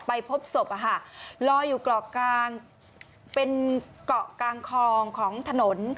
พบศพลอยอยู่กรอกกลางเป็นเกาะกลางคลองของถนน